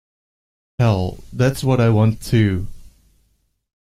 Hell, that's what I want too.